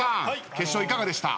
決勝いかがでした？